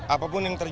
apapun yang terjadi